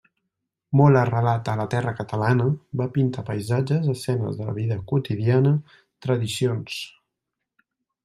Molt arrelat a la terra catalana, va pintar paisatges, escenes de la vida quotidiana, tradicions.